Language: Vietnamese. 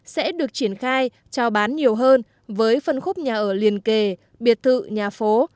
sẽ được triển khai trao bán nhiều hơn với phân khúc nhà ở liền kề biệt thự nhà phố